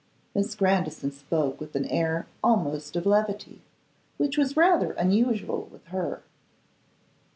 Miss Grandison spoke with an air almost of levity, which was rather unusual with her.